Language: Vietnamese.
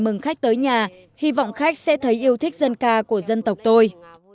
khi có khách đến nhà hy vọng khách sẽ thấy yêu thích dân ca của dân tộc tôi